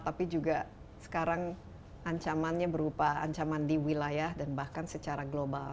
tapi juga sekarang ancamannya berupa ancaman di wilayah dan bahkan secara global